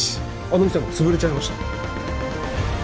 あの店はもう潰れちゃいました。